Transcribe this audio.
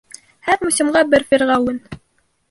Һәр мусимға бер фирғәүен.